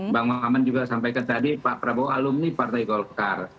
bang maman juga sampaikan tadi pak prabowo alumni partai golkar